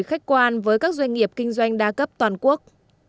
khách quan với các doanh nghiệp kinh doanh đa cấp toàn quốc